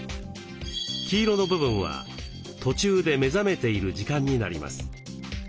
黄色の部分は途中で目覚めている時間になります。